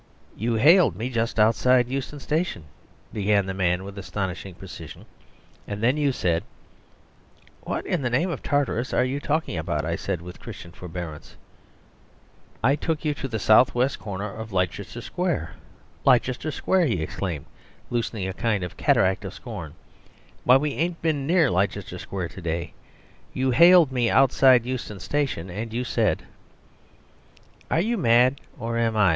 "You hailed me just outside Euston Station," began the man with astonishing precision, "and then you said " "What in the name of Tartarus are you talking about?" I said with Christian forbearance; "I took you at the south west corner of Leicester square." "Leicester square," he exclaimed, loosening a kind of cataract of scorn, "why we ain't been near Leicester square to day. You hailed me outside Euston Station, and you said " "Are you mad, or am I?"